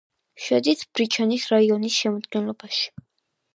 შედის ბრიჩენის რაიონის შემადგენლობაში.